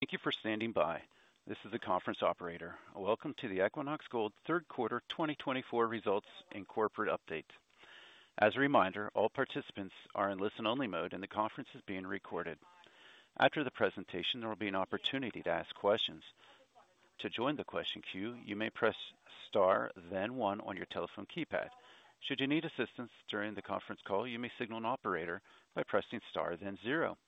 Thank you for standing by. This is the conference operator. Welcome to the Equinox Gold Q3 2024 results and corporate update. As a reminder, all participants are in listen-only mode, and the conference is being recorded. After the presentation, there will be an opportunity to ask questions. To join the question queue, you may press star, then one on your telephone keypad. Should you need assistance during the conference call, you may signal an operator by pressing star, then zero.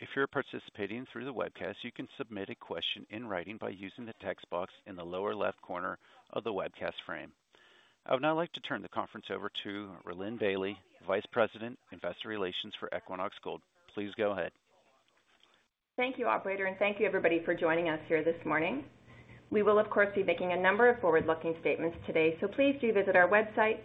If you're participating through the webcast, you can submit a question in writing by using the text box in the lower left corner of the webcast frame. I would now like to turn the conference over to Rhylin Bailie, Vice President, Investor Relations for Equinox Gold. Please go ahead. Thank you, Operator, and thank you, everybody, for joining us here this morning. We will, of course, be making a number of forward-looking statements today, so please do visit our website,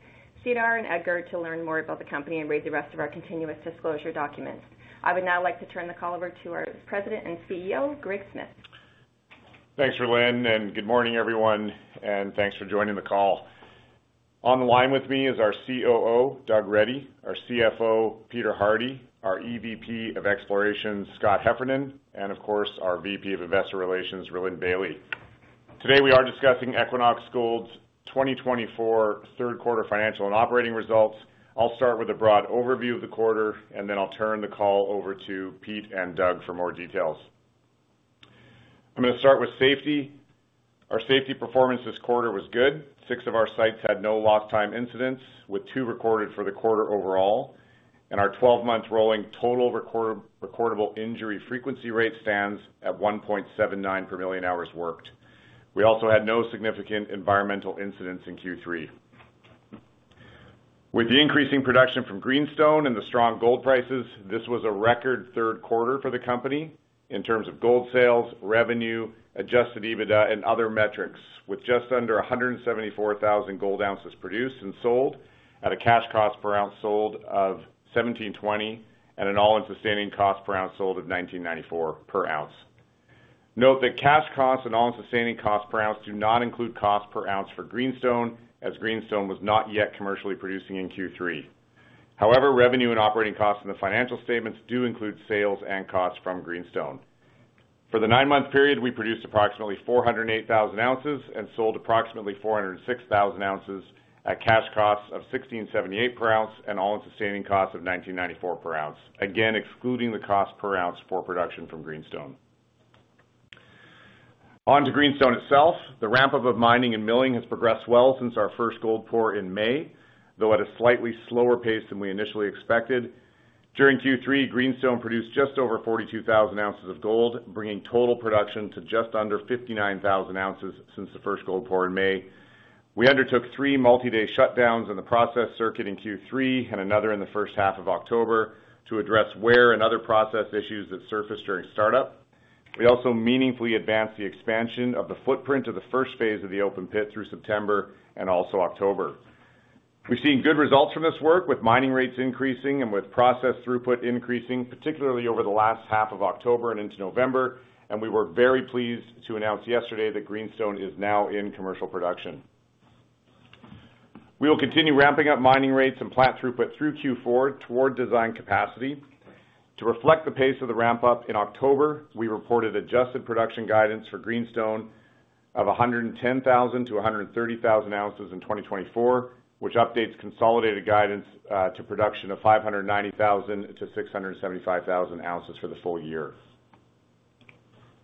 see SEDAR and EDGAR, to learn more about the company and read the rest of our continuous disclosure documents. I would now like to turn the call over to our President and CEO, Greg Smith. @Thanks, Rhylin, and good morning, everyone, and thanks for joining the call. On the line with me is our COO, Doug Reddy, our CFO, Peter Hardie, our EVP of Exploration, Scott Heffernan, and, of course, our VP of Investor Relations, Rhylin Bailie. Today, we are discussing Equinox Gold's 2024 Q3 financial and operating results. I'll start with a broad overview of the quarter, and then I'll turn the call over to Pete and Doug for more details. I'm going to start with safety. Our safety performance this quarter was good. Six of our sites had no lost time incidents, with two recorded for the quarter overall. Our 12-month rolling total recordable injury frequency rate stands at 1.79 per million hours worked. We also had no significant environmental incidents in Q3. With the increasing production from Greenstone and the strong gold prices, this was a record Q3 for the company in terms of gold sales, revenue, Adjusted EBITDA, and other metrics, with just under 174,000 gold ounces produced and sold at a cash cost per ounce sold of $1,720 and an all-in sustaining cost per ounce sold of $1,994 per ounce. Note that cash costs and all-in sustaining costs per ounce do not include costs per ounce for Greenstone, as Greenstone was not yet commercially producing in Q3. However, revenue and operating costs in the financial statements do include sales and costs from Greenstone. For the nine-month period, we produced approximately 408,000 ounces and sold approximately 406,000 ounces at cash costs of $1,678 per ounce and all-in sustaining costs of $1,994 per ounce, again excluding the cost per ounce for production from Greenstone. On to Greenstone itself. The ramp-up of mining and milling has progressed well since our first gold pour in May, though at a slightly slower pace than we initially expected. During Q3, Greenstone produced just over 42,000 ounces of gold, bringing total production to just under 59,000 ounces since the first gold pour in May. We undertook three multi-day shutdowns in the process circuit in Q3 and another in the first half of October to address wear and other process issues that surfaced during startup. We also meaningfully advanced the expansion of the footprint of the first phase of the open pit through September and also October. We've seen good results from this work, with mining rates increasing and with process throughput increasing, particularly over the last half of October and into November, and we were very pleased to announce yesterday that Greenstone is now in commercial production. We will continue ramping up mining rates and plant throughput through Q4 toward design capacity. To reflect the pace of the ramp-up in October, we reported adjusted production guidance for Greenstone of 110,000-130,000 ounces in 2024, which updates consolidated guidance to production of 590,000-675,000 ounces for the full year.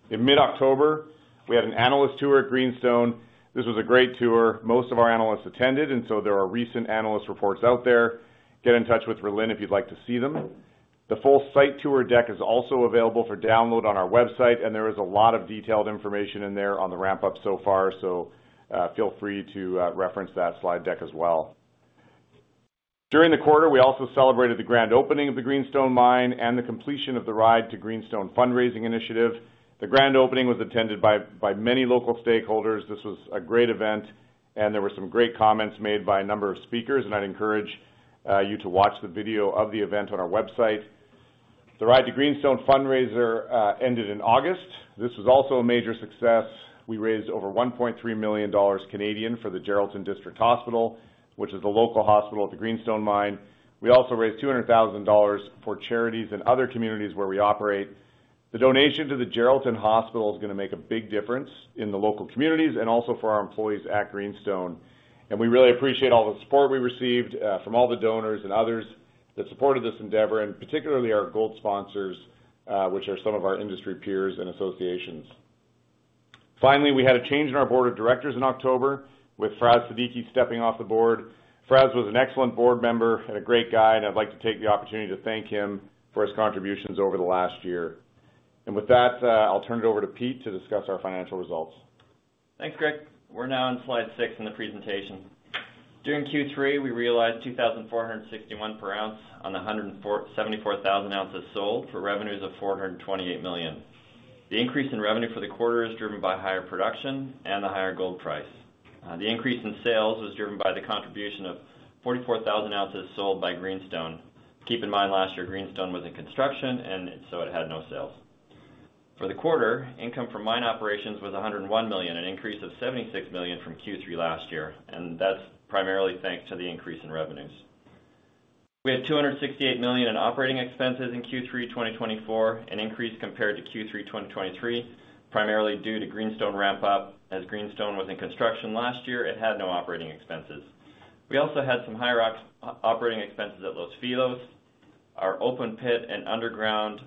In mid-October, we had an analyst tour at Greenstone. This was a great tour. Most of our analysts attended, and so there are recent analyst reports out there. Get in touch with Rhylin if you'd like to see them. The full site tour deck is also available for download on our website, and there is a lot of detailed information in there on the ramp-up so far, so feel free to reference that slide deck as well. During the quarter, we also celebrated the grand opening of the Greenstone mine and the completion of the Ride to Greenstone fundraising initiative. The grand opening was attended by many local stakeholders. This was a great event, and there were some great comments made by a number of speakers, and I'd encourage you to watch the video of the event on our website. The Ride to Greenstone fundraiser ended in August. This was also a major success. We raised over 1.3 million Canadian dollars for the Geraldton District Hospital, which is the local hospital at the Greenstone mine. We also raised $200,000 for charities and other communities where we operate. The donation to the Geraldton Hospital is going to make a big difference in the local communities and also for our employees at Greenstone. We really appreciate all the support we received from all the donors and others that supported this endeavor, and particularly our gold sponsors, which are some of our industry peers and associations. Finally, we had a change in our board of directors in October, with Fraz Siddiqui stepping off the board. Fraz was an excellent board member and a great guy, and I'd like to take the opportunity to thank him for his contributions over the last year. With that, I'll turn it over to Pete to discuss our financial results. @@Thanks, Greg. We're now on slide 6 in the presentation. During Q3, we realized $2,461 per ounce on the 174,000 ounces sold for revenues of $428 million. The increase in revenue for the quarter is driven by higher production and the higher gold price. The increase in sales was driven by the contribution of 44,000 ounces sold by Greenstone. Keep in mind, last year, Greenstone was in construction, and so it had no sales. For the quarter, income from mine operations was $101 million, an increase of $76 million from Q3 last year, and that's primarily thanks to the increase in revenues. We had $268 million in operating expenses in Q3 2024, an increase compared to Q3 2023, primarily due to Greenstone ramp-up. As Greenstone was in construction last year, it had no operating expenses. We also had some higher operating expenses at Los Filos. Our open pit and underground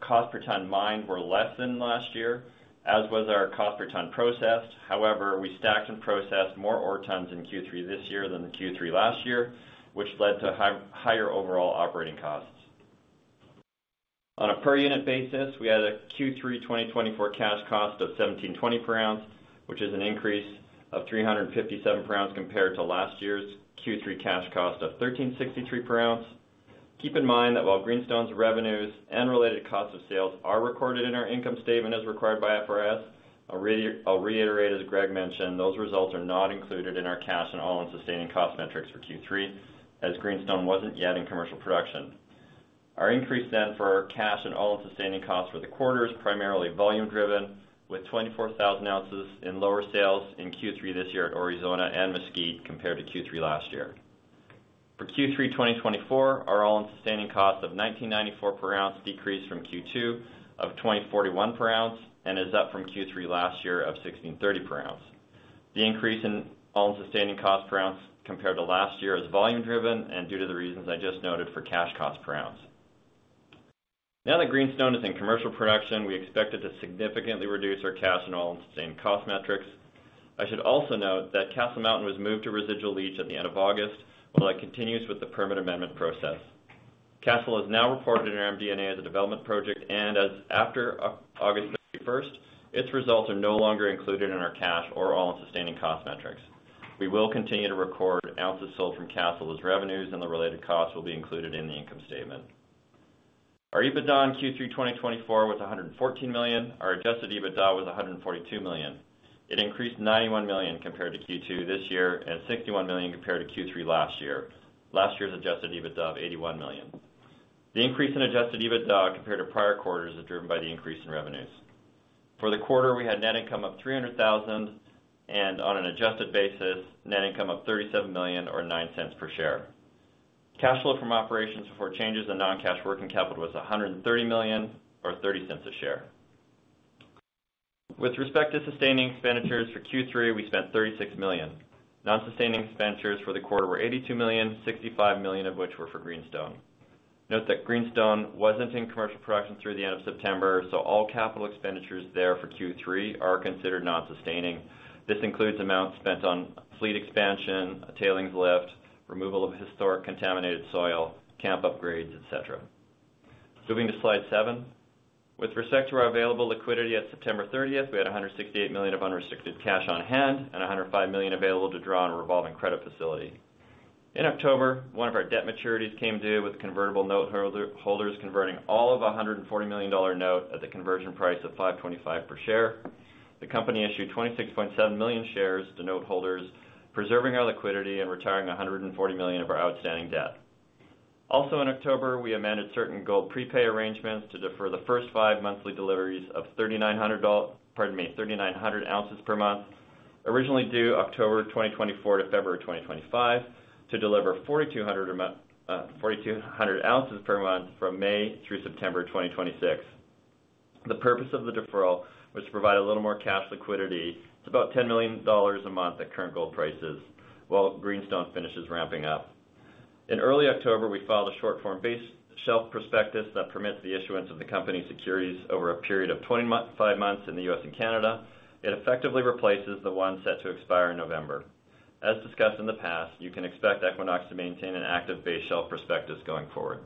cost per ton mined were less than last year, as was our cost per ton processed. However, we stacked and processed more ore tons in Q3 this year than the Q3 last year, which led to higher overall operating costs. On a per-unit basis, we had a Q3 2024 cash cost of $1,720 per ounce, which is an increase of $357 per ounce compared to last year's Q3 cash cost of $1,363 per ounce. Keep in mind that while Greenstone's revenues and related costs of sales are recorded in our income statement as required by IFRS, I'll reiterate, as Greg mentioned, those results are not included in our cash and all-in sustaining cost metrics for Q3, as Greenstone wasn't yet in commercial production. Our increase then for cash and all-in sustaining costs for the quarter is primarily volume-driven, with 24,000 ounces in lower sales in Q3 this year at Aurizona and Mesquite compared to Q3 last year. For Q3 2024, our all-in sustaining cost of $1,994 per ounce decreased from Q2 of $2,041 per ounce and is up from Q3 last year of $1,630 per ounce. The increase in all-in sustaining cost per ounce compared to last year is volume-driven and due to the reasons I just noted for cash cost per ounce. Now that Greenstone is in commercial production, we expect it to significantly reduce our cash and all-in sustaining cost metrics. I should also note that Castle Mountain was moved to Residual Leach at the end of August, while that continues with the permit amendment process. Castle is now reported in our MD&A as a development project, and as of August 31st, its results are no longer included in our cash or all-in sustaining costs metrics. We will continue to record ounces sold from Castle as revenues, and the related costs will be included in the income statement. Our EBITDA in Q3 2024 was $114 million. Our adjusted EBITDA was $142 million. It increased $91 million compared to Q2 this year and $61 million compared to Q3 last year. Last year's adjusted EBITDA of $81 million. The increase in adjusted EBITDA compared to prior quarters is driven by the increase in revenues. For the quarter, we had net income of $300,000 and, on an adjusted basis, net income of $37 million or $0.09 per share. Cash flow from operations before changes in non-cash working capital was $130 million or $0.30 a share. With respect to sustaining expenditures, for Q3, we spent $36 million. Non-sustaining expenditures for the quarter were $82 million, $65 million of which were for Greenstone. Note that Greenstone wasn't in commercial production through the end of September, so all capital expenditures there for Q3 are considered non-sustaining. This includes amounts spent on fleet expansion, tailings lift, removal of historic contaminated soil, camp upgrades, etc. Moving to slide seven. With respect to our available liquidity at September 30th, we had $168 million of unrestricted cash on hand and $105 million available to draw on a revolving credit facility. In October, one of our debt maturities came due with convertible note holders converting all of a $140 million note at the conversion price of $5.25 per share. The company issued 26.7 million shares to note holders, preserving our liquidity and retiring $140 million of our outstanding debt. Also, in October, we amended certain gold prepay arrangements to defer the first five monthly deliveries of 3,900 ounces per month, originally due October 2024 to February 2025, to deliver 4,200 ounces per month from May through September 2026. The purpose of the deferral was to provide a little more cash liquidity. It's about $10 million a month at current gold prices, while Greenstone finishes ramping up. In early October, we filed a short-form base shelf prospectus that permits the issuance of the company's securities over a period of 25 months in the U.S. and Canada. It effectively replaces the one set to expire in November. As discussed in the past, you can expect Equinox to maintain an active base shelf prospectus going forward.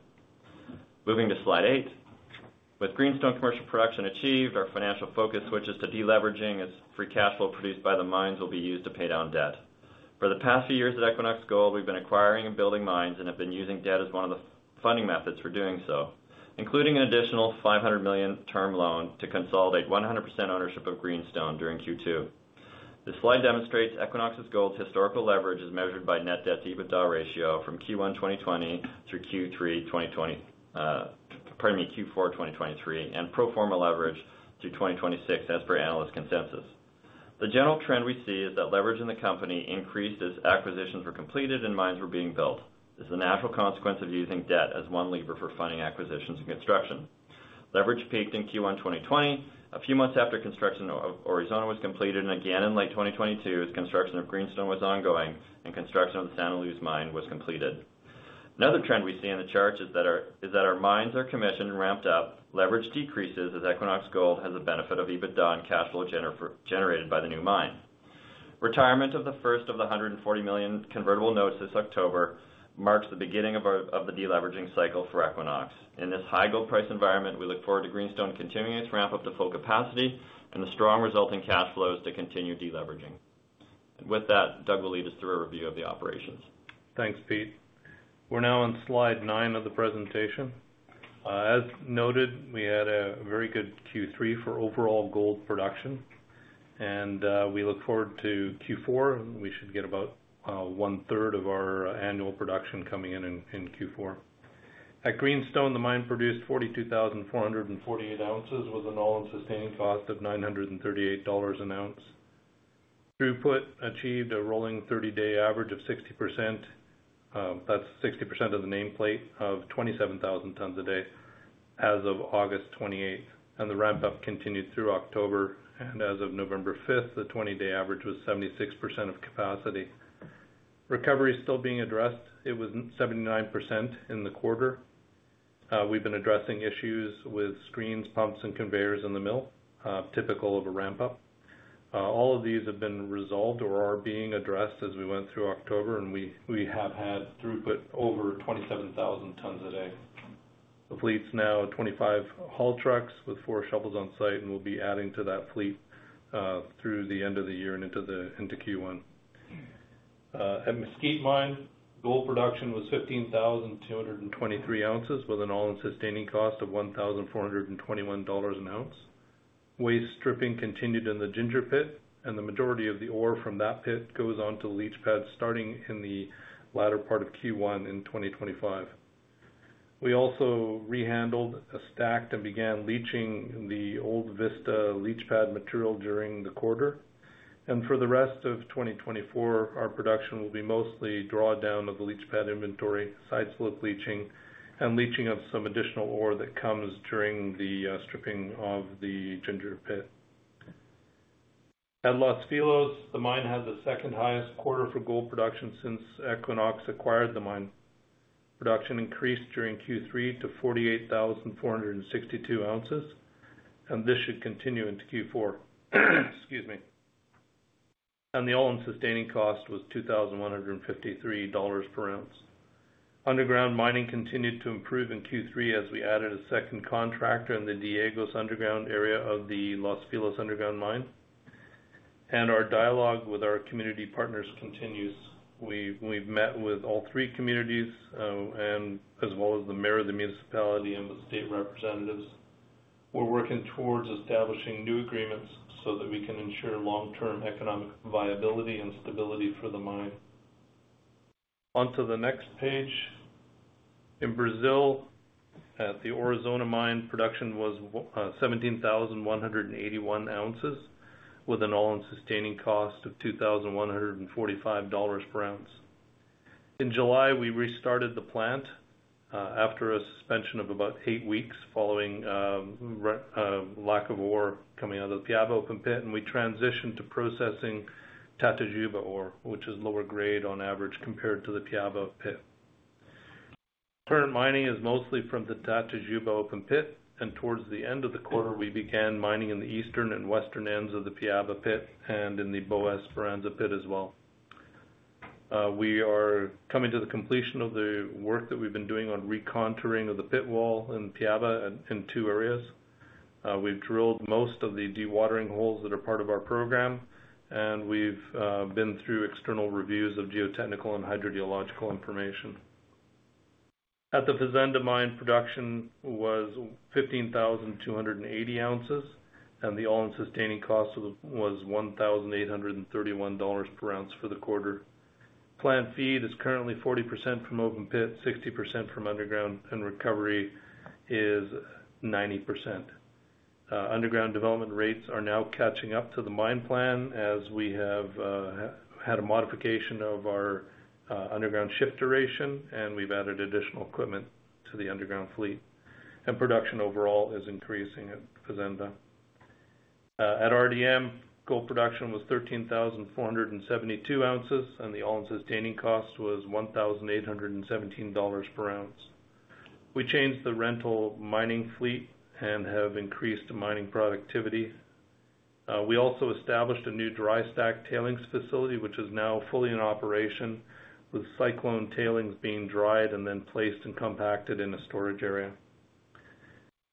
Moving to slide eight. With Greenstone commercial production achieved, our financial focus switches to deleveraging as free cash flow produced by the mines will be used to pay down debt. For the past few years at Equinox Gold, we've been acquiring and building mines and have been using debt as one of the funding methods for doing so, including an additional $500 million term loan to consolidate 100% ownership of Greenstone during Q2. This slide demonstrates Equinox Gold's historical leverage is measured by net debt to EBITDA ratio from Q1 2020 through Q3 2023 and pro forma leverage through 2026, as per analyst consensus. The general trend we see is that leverage in the company increased as acquisitions were completed and mines were being built. This is a natural consequence of using debt as one lever for funding acquisitions and construction. Leverage peaked in Q1 2020 a few months after construction of Aurizona was completed and again in late 2022 as construction of Greenstone was ongoing and construction of the San Luis mine was completed. Another trend we see in the chart is that our mines are commissioned and ramped up. Leverage decreases as Equinox Gold has the benefit of EBITDA and cash flow generated by the new mine. Retirement of the first of the $140 million convertible notes this October marks the beginning of the deleveraging cycle for Equinox. In this high gold price environment, we look forward to Greenstone continuing its ramp-up to full capacity and the strong resulting cash flows to continue deleveraging. With that, Doug will lead us through a review of the operations. @@@Thanks, Pete. We're now on slide 9 of the presentation. As noted, we had a very good Q3 for overall gold production, and we look forward to Q4. We should get about one-third of our annual production coming in in Q4. At Greenstone, the mine produced 42,448 ounces with an all-in sustaining cost of $938 an ounce. Throughput achieved a rolling 30-day average of 60%. That's 60% of the nameplate of 27,000 tons a day as of August 28th, and the ramp-up continued through October, and as of November 5th, the 20-day average was 76% of capacity. Recovery is still being addressed. It was 79% in the quarter. We've been addressing issues with screens, pumps, and conveyors in the mill, typical of a ramp-up. All of these have been resolved or are being addressed as we went through October, and we have had throughput over 27,000 tons a day. The fleet's now 25 haul trucks with four shovels on site and will be adding to that fleet through the end of the year and into Q1. At Mesquite, gold production was 15,223 ounces with an all-in sustaining cost of $1,421 an ounce. Waste stripping continued in the Ginger pit, and the majority of the ore from that pit goes on to the leach pads starting in the latter part of Q1 in 2025. We also rehandled, stacked, and began leaching the old Vista leach pad material during the quarter. And for the rest of 2024, our production will be mostly drawdown of the leach pad inventory, side slope leaching, and leaching of some additional ore that comes during the stripping of the Ginger pit. At Los Filos, the mine has the second highest quarter for gold production since Equinox acquired the mine. Production increased during Q3 to 48,462 ounces, and this should continue into Q4. Excuse me, and the all-in sustaining cost was $2,153 per ounce. Underground mining continued to improve in Q3 as we added a second contractor in the Diegos underground area of the Los Filos underground mine, and our dialogue with our community partners continues. We've met with all three communities as well as the mayor of the municipality and the state representatives. We're working towards establishing new agreements so that we can ensure long-term economic viability and stability for the mine. Onto the next page. In Brazil, at the Aurizona mine, production was 17,181 ounces with an all-in sustaining cost of $2,145 per ounce. In July, we restarted the plant after a suspension of about eight weeks following lack of ore coming out of the Piaba open pit, and we transitioned to processing Tatajuba ore, which is lower grade on average compared to the Piaba pit. Current mining is mostly from the Tatajuba open pit, and towards the end of the quarter, we began mining in the eastern and western ends of the Piaba pit and in the Bos Esperança pit as well. We are coming to the completion of the work that we've been doing on recontouring of the pit wall in Piaba in two areas. We've drilled most of the dewatering holes that are part of our program, and we've been through external reviews of geotechnical and hydrogeological information. At the Fazenda mine, production was 15,280 ounces, and the all-in sustaining cost was $1,831 per ounce for the quarter. Planned feed is currently 40% from open pit, 60% from underground, and recovery is 90%. Underground development rates are now catching up to the mine plan as we have had a modification of our underground shift duration, and we've added additional equipment to the underground fleet, and production overall is increasing at Fazenda. At RDM, gold production was 13,472 ounces, and the all-in sustaining cost was $1,817 per ounce. We changed the rental mining fleet and have increased mining productivity. We also established a new dry stack tailings facility, which is now fully in operation, with cyclone tailings being dried and then placed and compacted in a storage area.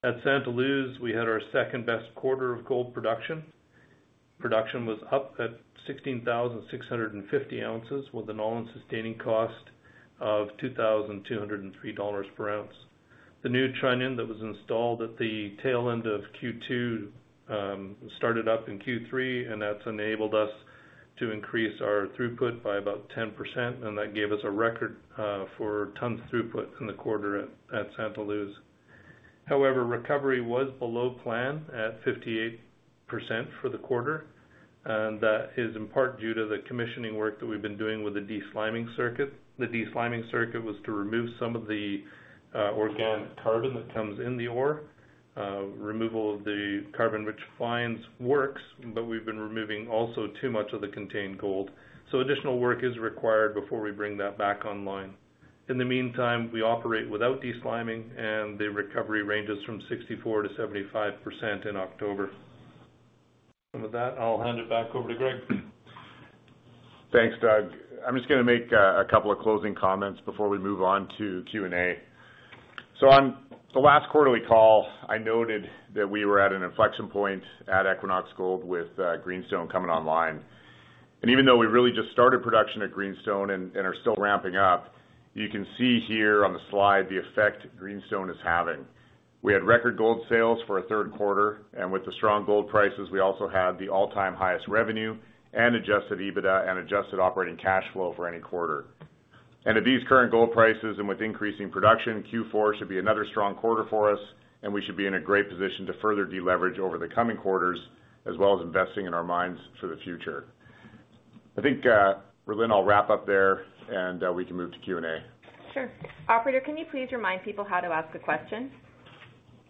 At Santa Luz, we had our second-best quarter of gold production. Production was up at 16,650 ounces with an all-in sustaining cost of $2,203 per ounce. The new trunnion that was installed at the tail end of Q2 started up in Q3, and that's enabled us to increase our throughput by about 10%, and that gave us a record for tons throughput in the quarter at Santa Luz. However, recovery was below plan at 58% for the quarter, and that is in part due to the commissioning work that we've been doing with the desliming circuit. The desliming circuit was to remove some of the organic carbon that comes in the ore. Removal of the carbon-rich fines works, but we've been removing also too much of the contained gold. So additional work is required before we bring that back online. In the meantime, we operate without desliming, and the recovery ranges from 64%-75% in October. With that, I'll hand it back over to Greg. Thanks, Doug. I'm just going to make a couple of closing comments before we move on to Q&A. So on the last quarterly call, I noted that we were at an inflection point at Equinox Gold with Greenstone coming online. And even though we really just started production at Greenstone and are still ramping up, you can see here on the slide the effect Greenstone is having. We had record gold sales for a Q3, and with the strong gold prices, we also had the all-time highest revenue and Adjusted EBITDA and adjusted operating cash flow for any quarter. And at these current gold prices and with increasing production, Q4 should be another strong quarter for us, and we should be in a great position to further deleverage over the coming quarters as well as investing in our mines for the future. I think, Rhylin, I'll wrap up there, and we can move to Q&A. Sure. Operator, can you please remind people how to ask a question?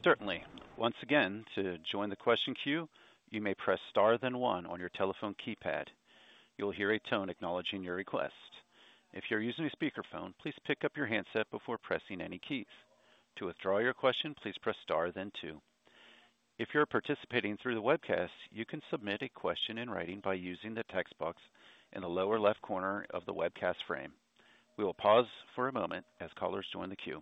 Certainly. Once again, to join the question queue, you may press star then one on your telephone keypad. You'll hear a tone acknowledging your request. If you're using a speakerphone, please pick up your handset before pressing any keys. To withdraw your question, please press star then two. If you're participating through the webcast, you can submit a question in writing by using the text box in the lower left corner of the webcast frame. We will pause for a moment as callers join the queue.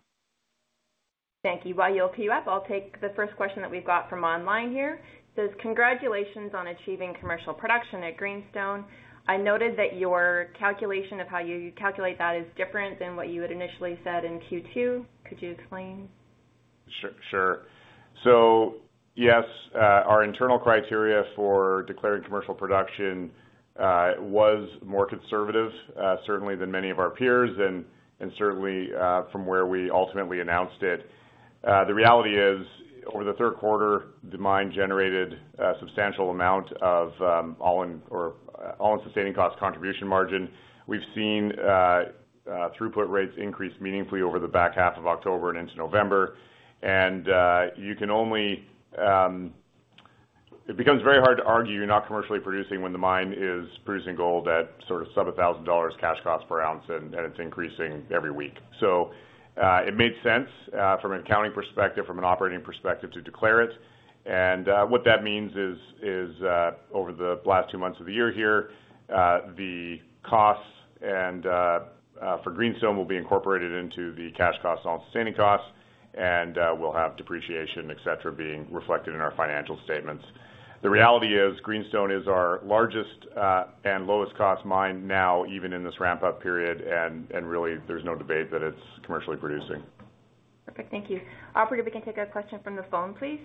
Thank you. While y'all queue up, I'll take the first question that we've got from online here. It says, "Congratulations on achieving commercial production at Greenstone. I noted that your calculation of how you calculate that is different than what you had initially said in Q2. Could you explain? Sure. So yes, our internal criteria for declaring commercial production was more conservative, certainly than many of our peers and certainly from where we ultimately announced it. The reality is, over the Q3, the mine generated a substantial amount of all-in sustaining cost contribution margin. We've seen throughput rates increase meaningfully over the back half of October and into November. And you can only. It becomes very hard to argue you're not commercially producing when the mine is producing gold at sort of sub-$1,000 cash cost per ounce, and it's increasing every week. So it made sense from an accounting perspective, from an operating perspective to declare it. And what that means is, over the last two months of the year here, the costs for Greenstone will be incorporated into the cash cost, all-in sustaining costs, and we'll have depreciation, etc., being reflected in our financial statements. The reality is, Greenstone is our largest and lowest-cost mine now, even in this ramp-up period, and really, there's no debate that it's commercially producing. Perfect. Thank you. Operator, we can take a question from the phone, please.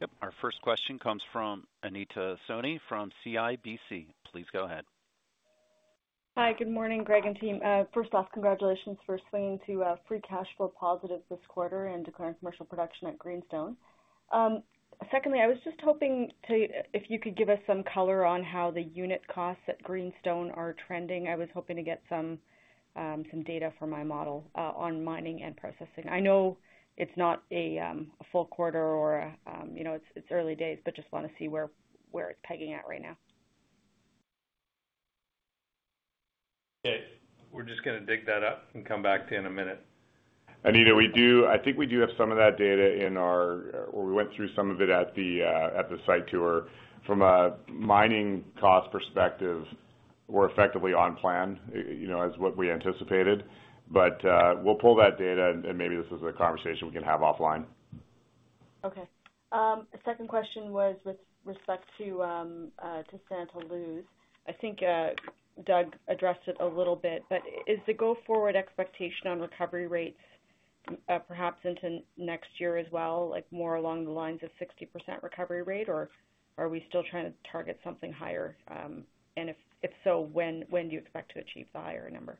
Yep. Our first question comes from Anita Soni from CIBC. Please go ahead. Hi. Good morning, Greg and team. First off, congratulations for swinging to free cash flow positive this quarter and declaring commercial production at Greenstone. Secondly, I was just hoping if you could give us some color on how the unit costs at Greenstone are trending. I was hoping to get some data from my model on mining and processing. I know it's not a full quarter or it's early days, but just want to see where it's pegging at right now. Okay. We're just going to dig that up and come back to you in a minute. Anita, I think we do have some of that data in our or we went through some of it at the site tour. From a mining cost perspective, we're effectively on plan as what we anticipated. But we'll pull that data, and maybe this is a conversation we can have offline. Okay. Second question was with respect to Santa Luz. I think Doug addressed it a little bit, but is the go-forward expectation on recovery rates perhaps into next year as well, more along the lines of 60% recovery rate, or are we still trying to target something higher? And if so, when do you expect to achieve the higher number?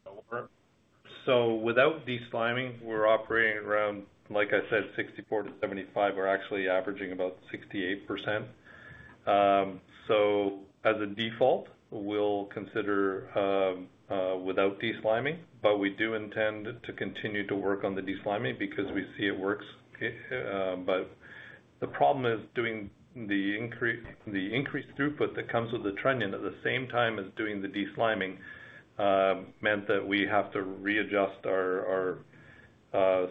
So without desliming, we're operating around, like I said, 64%-75%. We're actually averaging about 68%. So as a default, we'll consider without desliming, but we do intend to continue to work on the desliming because we see it works. But the problem is doing the increased throughput that comes with the trunnion at the same time as doing the desliming meant that we have to readjust our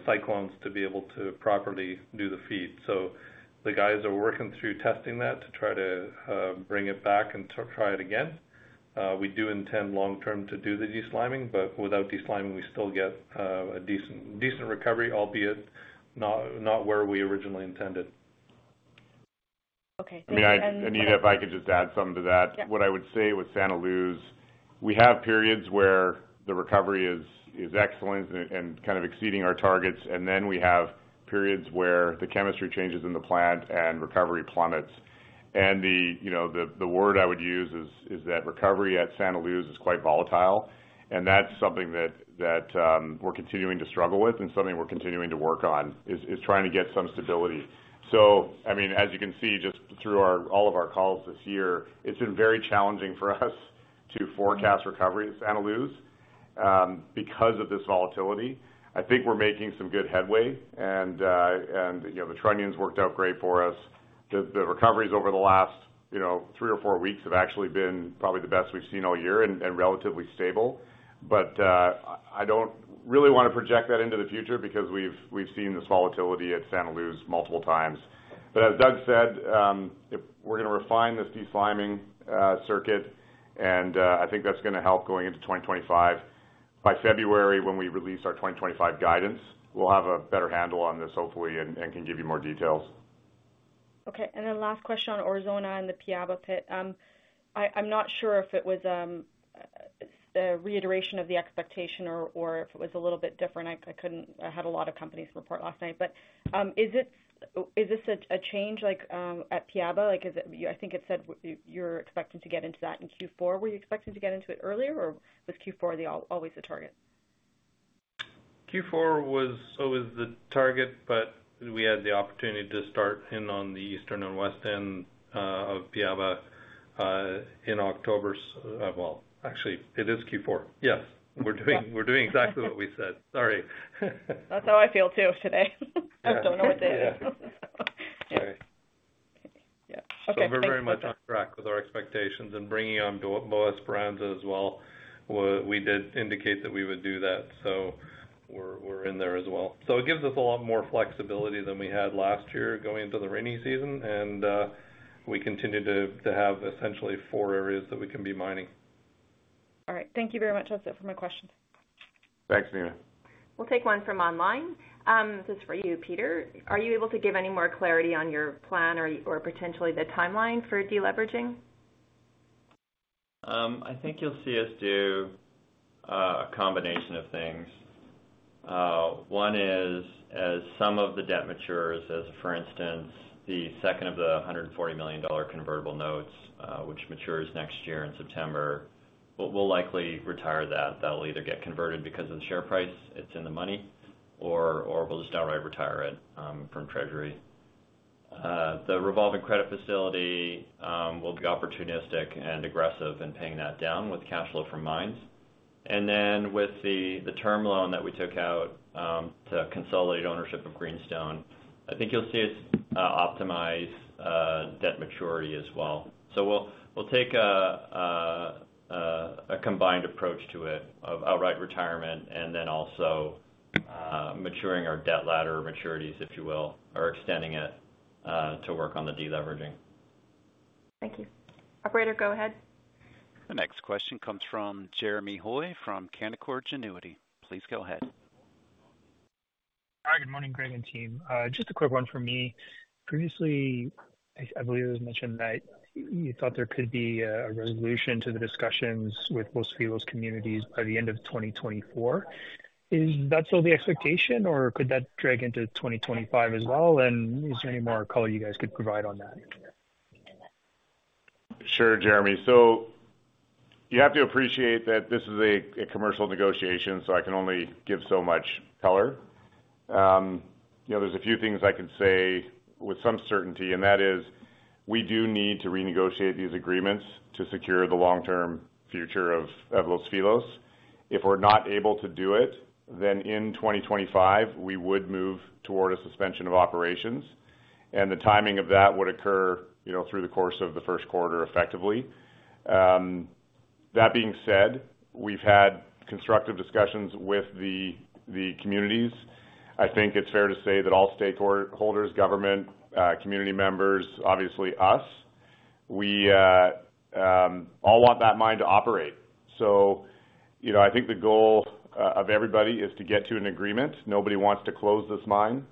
cyclones to be able to properly do the feed. So the guys are working through testing that to try to bring it back and try it again. We do intend long-term to do the desliming, but without desliming, we still get a decent recovery, albeit not where we originally intended. Okay. Thank you. Anita, if I could just add something to that. What I would say with Santa Luz, we have periods where the recovery is excellent and kind of exceeding our targets, and then we have periods where the chemistry changes in the plant and recovery plummets, and the word I would use is that recovery at Santa Luz is quite volatile, and that's something that we're continuing to struggle with and something we're continuing to work on is trying to get some stability, so I mean, as you can see just through all of our calls this year, it's been very challenging for us to forecast recovery at Santa Luz because of this volatility. I think we're making some good headway, and the trunnions worked out great for us. The recoveries over the last three or four weeks have actually been probably the best we've seen all year and relatively stable. But I don't really want to project that into the future because we've seen this volatility at Santa Luz multiple times. But as Doug said, we're going to refine this desliming circuit, and I think that's going to help going into 2025. By February when we release our 2025 guidance, we'll have a better handle on this, hopefully, and can give you more details. Okay. And then last question on Aurizona and the Piaba pit. I'm not sure if it was a reiteration of the expectation or if it was a little bit different. I had a lot of companies report last night. But is this a change at Piaba? I think it said you're expecting to get into that in Q4. Were you expecting to get into it earlier, or was Q4 always the target? Q4 was always the target, but we had the opportunity to start in on the eastern and west end of Piaba in October. Well, actually, it is Q4. Yes. We're doing exactly what we said. Sorry. That's how I feel too today. I don't know what day it is. Yeah. So we're very much on track with our expectations and bringing on Boas Esperança as well. We did indicate that we would do that, so we're in there as well. So it gives us a lot more flexibility than we had last year going into the rainy season, and we continue to have essentially four areas that we can be mining. All right. Thank you very much. That's it for my questions. Thanks, Nina. We'll take one from online. This is for you, Peter. Are you able to give any more clarity on your plan or potentially the timeline for deleveraging? I think you'll see us do a combination of things. One is, as some of the debt matures, as for instance, the second of the $140 million convertible notes, which matures next year in September, we'll likely retire that. That'll either get converted because of the share price, it's in the money, or we'll just outright retire it from Treasury. The revolving credit facility will be opportunistic and aggressive in paying that down with cash flow from mines. And then with the term loan that we took out to consolidate ownership of Greenstone, I think you'll see us optimize debt maturity as well. So we'll take a combined approach to it of outright retirement and then also maturing our debt ladder maturities, if you will, or extending it to work on the deleveraging. Thank you. Operator, go ahead. The next question comes from Jeremy Hoy from Canaccord Genuity. Please go ahead. Hi. Good morning, Greg and team. Just a quick one for me. Previously, I believe it was mentioned that you thought there could be a resolution to the discussions with most of the US communities by the end of 2024. Is that still the expectation, or could that drag into 2025 as well? And is there any more color you guys could provide on that? Sure, Jeremy. So you have to appreciate that this is a commercial negotiation, so I can only give so much color. There's a few things I can say with some certainty, and that is we do need to renegotiate these agreements to secure the long-term future of Los Filos. If we're not able to do it, then in 2025, we would move toward a suspension of operations, and the timing of that would occur through the course of the Q1 effectively. That being said, we've had constructive discussions with the communities. I think it's fair to say that all stakeholders, government, community members, obviously us, we all want that mine to operate. So I think the goal of everybody is to get to an agreement. Nobody wants to close this mine.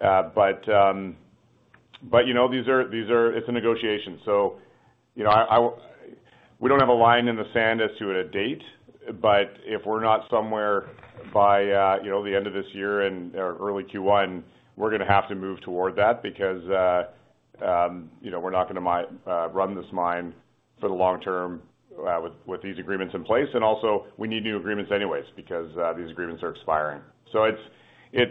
But it's a negotiation. So we don't have a line in the sand as to a date, but if we're not somewhere by the end of this year and early Q1, we're going to have to move toward that because we're not going to run this mine for the long term with these agreements in place. And also, we need new agreements anyways because these agreements are expiring. So it is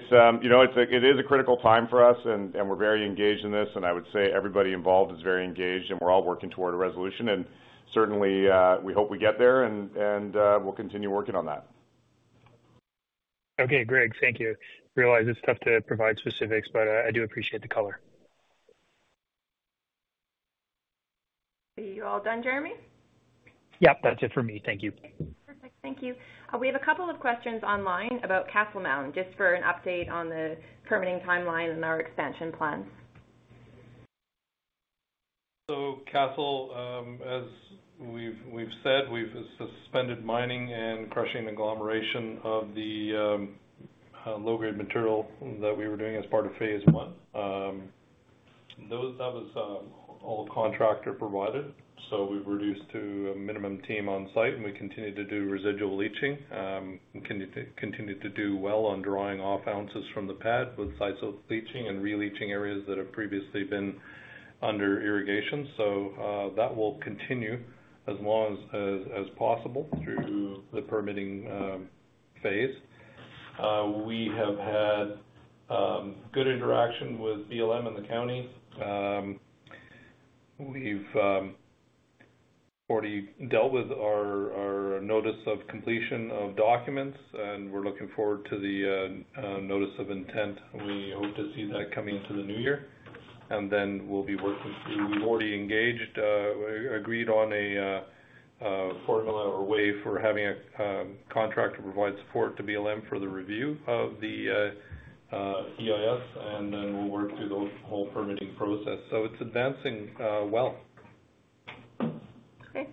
a critical time for us, and we're very engaged in this, and I would say everybody involved is very engaged, and we're all working toward a resolution. And certainly, we hope we get there, and we'll continue working on that. Okay, Greg, thank you. Realize it's tough to provide specifics, but I do appreciate the color. Are you all done, Jeremy? Yep, that's it for me. Thank you. Perfect. Thank you. We have a couple of questions online about Castle Mountain, just for an update on the permitting timeline and our expansion plans. So Castle, as we've said, we've suspended mining and crushing agglomeration of the low-grade material that we were doing as part of phase I. That was all contractor provided, so we've reduced to a minimum team on site, and we continue to do Residual leaching. We continue to do well on drawing off ounces from the pad with sites of leaching and re-leaching areas that have previously been under irrigation. So that will continue as long as possible through the permitting phase. We have had good interaction with BLM and the county. We've already dealt with our Notice of Completion of documents, and we're looking forward to the Notice of Intent. We hope to see that coming into the new year, and then we'll be working through. We've already engaged, agreed on a formula or way for having a contractor provide support to BLM for the review of the EIS, and then we'll work through the whole permitting process, so it's advancing well. Okay.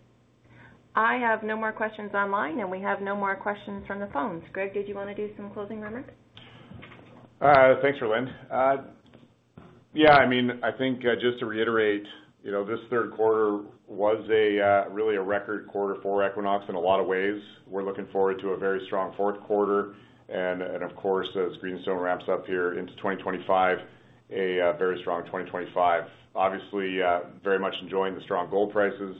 I have no more questions online, and we have no more questions from the phones. Greg, did you want to do some closing remarks? Thanks, Rhylin. Yeah, I mean, I think just to reiterate, this Q3 was really a record quarter for Equinox in a lot of ways. We're looking forward to a very strong Q4, and of course, as Greenstone ramps up here into 2025, a very strong 2025. Obviously, very much enjoying the strong gold prices,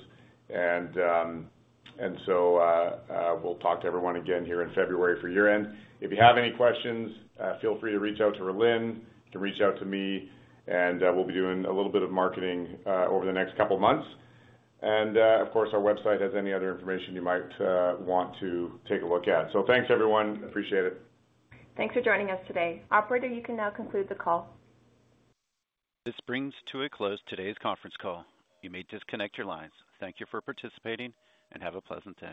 and so we'll talk to everyone again here in February for year-end. If you have any questions, feel free to reach out to Rhylin, you can reach out to me, and we'll be doing a little bit of marketing over the next couple of months. And of course, our website has any other information you might want to take a look at. So thanks, everyone. Appreciate it. Thanks for joining us today. Operator, you can now conclude the call. This brings to a close today's conference call. You may disconnect your lines. Thank you for participating, and have a pleasant day.